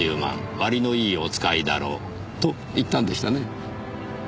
割のいいおつかいだろう」と言ったんでしたね。